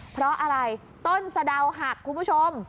เพราะอะไรต้นสะดาวหักคุณผู้ชม